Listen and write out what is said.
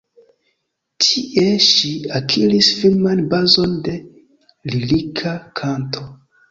Tie, ŝi akiris firman bazon de lirika kanto.